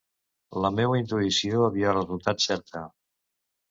La meua intuïció havia resultat certa.